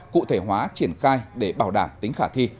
cụ thể hóa triển khai để bảo đảm tính khả thi